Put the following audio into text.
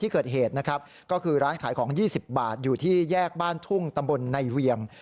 ก็คือร้านขายของ๒๐บาทอยู่ที่แยกบ้านทุ่งตำบลในเวียง